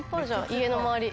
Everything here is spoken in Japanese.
家の周り。